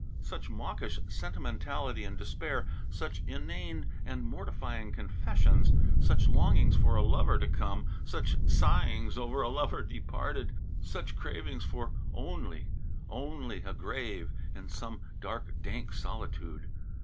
Such mawkish sentimentality and despair; such inane and mortifying confessions; such longings for a lover to come; such sighings over a lover departed; such cravings for "only" "only" a grave in some dark, dank solitude.